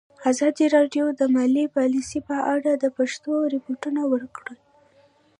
ازادي راډیو د مالي پالیسي په اړه د پېښو رپوټونه ورکړي.